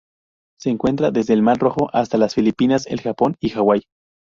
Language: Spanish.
Se encuentra desde el Mar Rojo hasta las Filipinas, el Japón y Hawaii.